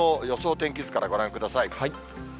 天気図からご覧ください。